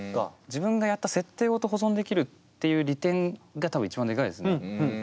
自分がやった設定ごと保存できるっていう利点が多分一番でかいですね。